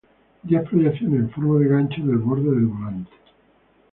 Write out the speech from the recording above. Diez proyecciones en forma de gancho del borde del volante.